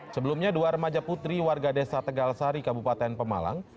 sebelumnya dua remaja putri warga desa tegal sari kabupaten pemalang